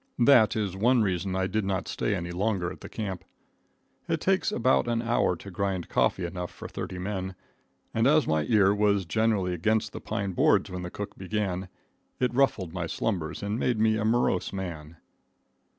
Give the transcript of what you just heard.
That is one reason I did not stay any longer at the camp. It takes about an hour to grind coffee enough for thirty men, and as my ear was generally against the pine boards when the cook began, it ruffled my slumbers and made me a morose man.